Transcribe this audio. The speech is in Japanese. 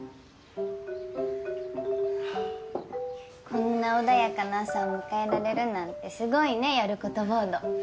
こんな穏やかな朝を迎えられるなんてすごいねやることボード。